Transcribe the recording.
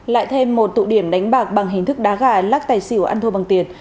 lại thêm một tụ điểm đánh bạc bằng hình thức đá gà lắc tài xỉu ăn thua bằng tiền